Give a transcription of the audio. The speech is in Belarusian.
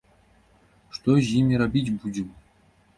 Што з імі рабіць будзем?